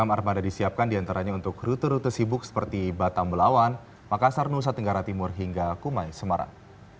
enam armada disiapkan diantaranya untuk rute rute sibuk seperti batambelawan makassar nusa tenggara timur hingga kumai semarang